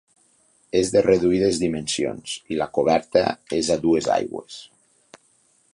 És de reduïdes dimensions i la coberta és a dues aigües.